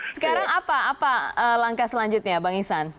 sekarang apa apa langkah selanjutnya bang isan